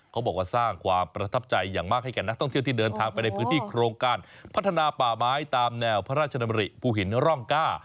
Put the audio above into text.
เขาบอกว่าสร้างความประทับใจอย่างมากให้แก่นักท่องเที่ยวที่เดินทางไปในพื้นที่โครงการพัฒนาป่าไม้ตามแนวพระราชดำริภูหินร่องก้า